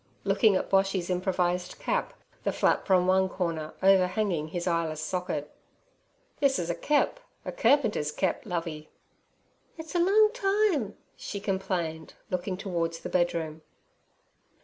looking at Boshy's improvised cap, the flap from one corner overhanging his eyeless socket. 'This's a kep, a kerpinter's kep, Lovey.' 'It's a long time' she complained, looking towards the bedroom.